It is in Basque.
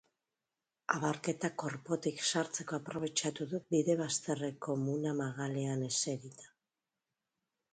Abarketak orpotik sartzeko aprobetxatu dut bide bazterreko muna magalean eserita.